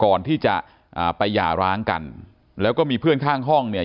อ่าไปหย่าร้างกันแล้วก็มีเพื่อนข้างห้องเนี่ย